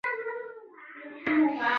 斡特懒返还回家。